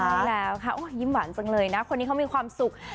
ใช่แล้วค่ะยิ้มหวานจังเลยนะคนนี้เขามีความสุข